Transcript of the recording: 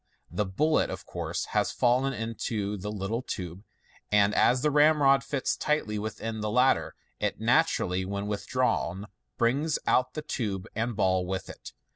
The bullet, of course, has fallen into the little tube, and as the ramrod fits tightly within the latter, it naturally, when withdrawn, brings out tube and ball with it.